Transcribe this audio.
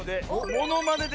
モノマネで！